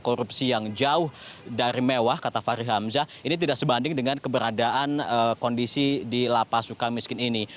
korupsi yang jauh dari mewah kata fahri hamzah ini tidak sebanding dengan keberadaan kondisi di lapas suka miskin ini